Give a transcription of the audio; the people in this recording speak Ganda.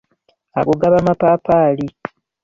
Ago gaba mapaapaali.